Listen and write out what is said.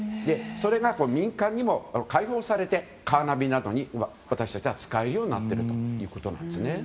それが民間にも開放されてカーナビなどに私たちは使うようになっているということです。